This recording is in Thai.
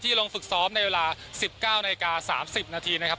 ลงฝึกซ้อมในเวลา๑๙นาฬิกา๓๐นาทีนะครับ